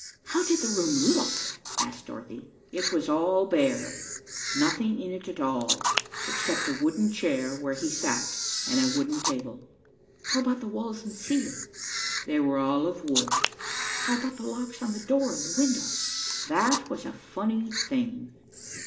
"How did the room look?" asked Dorothy. "It was all bare. Nothing in it at all, except the wooden chair where he sat and a wooden table." "How about the walls and ceiling?" "They were all of wood." "How about the locks on the door and windows?" "That was a funny thing.